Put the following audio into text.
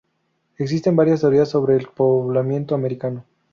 Existen varias teorías sobre el poblamiento americano.